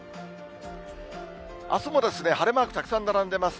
あすも晴れマークたくさん並んでます。